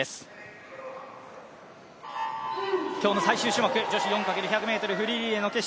今日の最終種目、４×１００ｍフリーリレー。